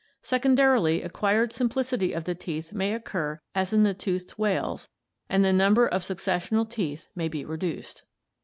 Secondarily ac quired simplicity of the teeth may occur as in the toothed whales, and the number of successional teeth may be reduced.